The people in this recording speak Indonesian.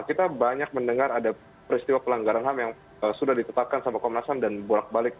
kita banyak mendengar ada peristiwa pelanggaran ham yang sudah ditetapkan sama komnas ham dan bolak balik